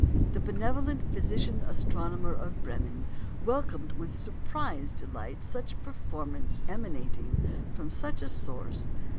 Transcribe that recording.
The benevolent physician astronomer of Bremen welcomed with surprised delight such a performance emanating from such a source.